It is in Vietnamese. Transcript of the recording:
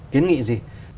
kiến nghị gì